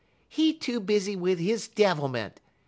He too busy wid his devilment.